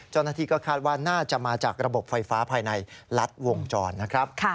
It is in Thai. เจ้าหน้าที่ก็คาดว่าน่าจะมาจากระบบไฟฟ้าภายในลัดวงจรนะครับ